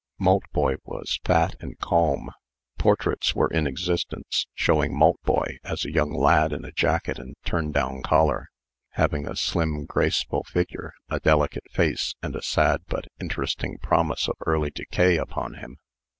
Maltboy was fat and calm. Portraits were in existence showing Maltboy as a young lad in a jacket and turn down collar, having a slim, graceful figure, a delicate face, and a sad but interesting promise of early decay upon him.